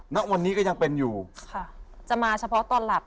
แล้ววันนี้ก็ยังอยู่เค้าะจะมาเฉพาค์ตอนหลับ